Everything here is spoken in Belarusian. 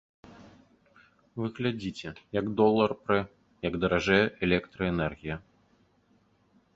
Вы глядзіце, як долар прэ, як даражэе электраэнергія.